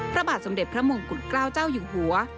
พระบาทสมเด็จพระมงกุฎเกล้าเจ้าอยู่หัว